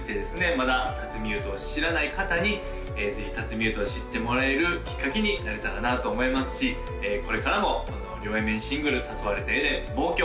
まだ辰巳ゆうとを知らない方にぜひ辰巳ゆうとを知ってもらえるきっかけになれたらなと思いますしこれからもこの両Ａ面シングル「誘われてエデン／望郷」